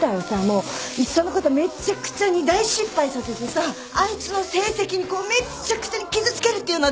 もういっそのことめっちゃくちゃに大失敗させてさあいつの成績にこうめっちゃくちゃに傷つけるっていうのはどうかな？